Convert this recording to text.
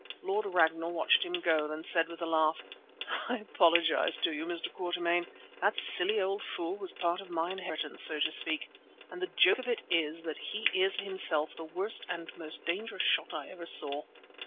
Lord Ragnall watched him go, then said with a laugh: "I apologize to you, Mr. Quatermain. That silly old fool was part of my inheritance, so to speak; and the joke of it is that he is himself the worst and most dangerous shot I ever saw.